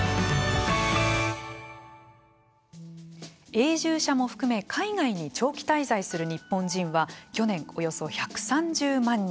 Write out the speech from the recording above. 永住者も含め海外に長期滞在する日本人は去年、およそ１３０万人。